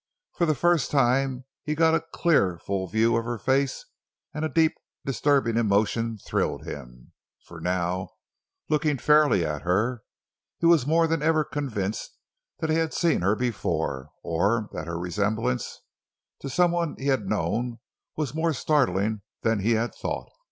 For the first time he got a clear, full view of her face and a deep, disturbing emotion thrilled him. For now, looking fairly at her, he was more than ever convinced that he had seen her before, or that her resemblance to someone he had known was more startling than he had thought.